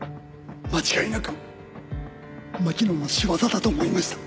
間違いなく巻乃の仕業だと思いました。